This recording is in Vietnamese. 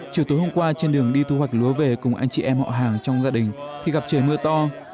chiều tối hôm qua trên đường đi thu hoạch lúa về cùng anh chị em họ hàng trong gia đình thì gặp trời mưa to